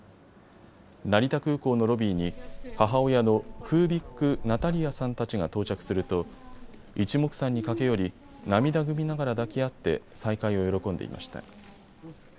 成田空港のロビーに母親のクービック・ナタリヤさんたちが到着するといちもくさんに駆け寄り、涙ぐみながら抱き合って再会を喜んでいました。